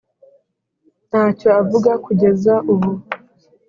ntacyo avuga kugeza ubu